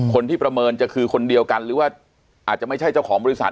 ประเมินจะคือคนเดียวกันหรือว่าอาจจะไม่ใช่เจ้าของบริษัท